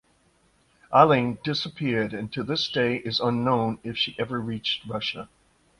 Alling disappeared and to this day it is unknown if she ever reached Russia.